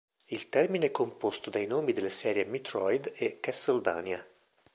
Il termine è composto dai nomi delle serie "Metroid" e "Castlevania".